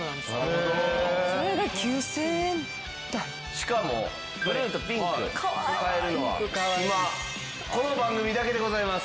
しかもブルーとピンク買えるのは今この番組だけでございます。